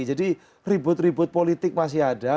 jadi ribut ribut politik masih ada